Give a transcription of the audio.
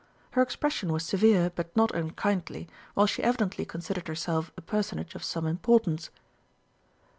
Her expression was severe, but not unkindly, while she evidently considered herself a personage of some importance.